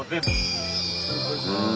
うん。